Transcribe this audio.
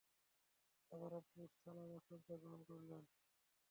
আবার Abu Salama শয্যা গ্রহণ করলেন।